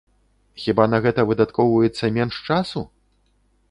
Хіба на гэта выдаткоўваецца менш часу?